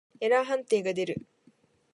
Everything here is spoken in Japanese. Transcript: エラー判定が出る。